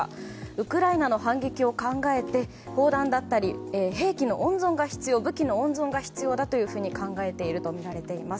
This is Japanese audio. ウクライナの反撃を考えて砲弾だったり兵器や武器の温存が必要だと考えているとみられています。